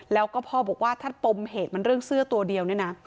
แล้วก็พ่อบอกว่าถ้าปมเหตุมันเรื่องเสื้อตัวเดียวเนี่ยนะ